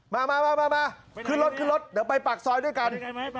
มาขึ้นรถเดี๋ยวไปปากซอยด้วยกัน